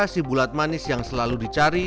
nasi bulat manis yang selalu dicari